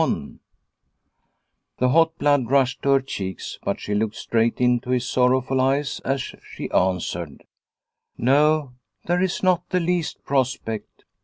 The Rest Stone 245 The hot blood rushed to her cheeks, but she looked straight into his sorrowful eyes as she answered :" No, there is not the least pros pect."